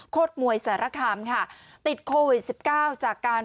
มวยสารคามค่ะติดโควิดสิบเก้าจากการ